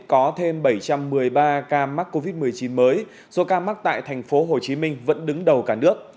có thêm bảy trăm một mươi ba ca mắc covid một mươi chín mới số ca mắc tại thành phố hồ chí minh vẫn đứng đầu cả nước